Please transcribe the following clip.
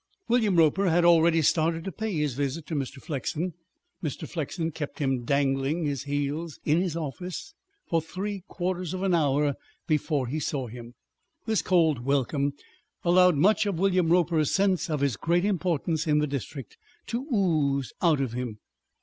William Roper had already started to pay his visit to Mr. Flexen. Mr. Flexen kept him dangling his heels in his office for three quarters of an hour before he saw him. This cold welcome allowed much of William Roper's sense of his great importance in the district to ooze out of him.